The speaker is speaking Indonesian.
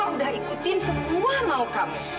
udah ikutin semua mau kamu